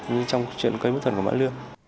như trong chuyện cây mút thần của mã lương